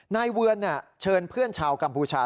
นายเวือนเชิญเพื่อนชาวกัมพูชา